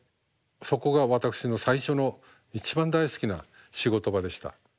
そこが私の最初の一番大好きな仕事場でした。